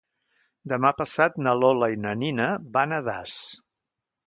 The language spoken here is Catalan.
Demà passat na Lola i na Nina van a Das.